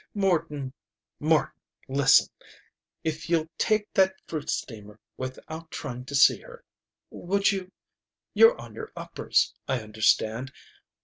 "Morton Morton, listen! If you'll take that fruit steamer without trying to see her would you? You're on your uppers. I understand.